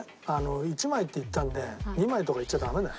１枚って言ったんで２枚とか言っちゃダメだよ。